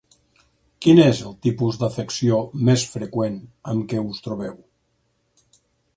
Quin és el tipus d’afecció més freqüent amb què us trobeu?